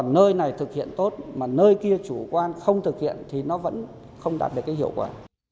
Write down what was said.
nơi này thực hiện tốt mà nơi kia chủ quan không thực hiện thì nó vẫn không đạt được cái hiệu quả